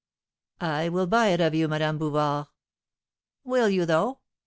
"I will buy it of you, Madame Bouvard." "Will you though?